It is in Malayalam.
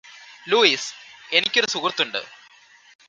ലൂയിസ് എനിക്കൊരു സുഹൃത്തുണ്ട്